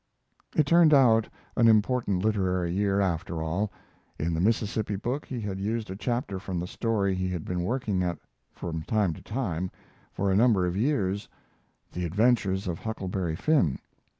It turned out an important literary year after all. In the Mississippi book he had used a chapter from the story he had been working at from time to time for a number of years, 'The Adventures of Huckleberry Finn'.